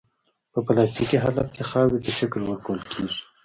په پلاستیک حالت کې خاورې ته شکل ورکول کیږي